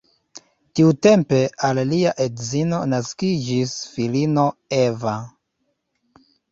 Tiutempe al lia edzino naskiĝis filino Eva.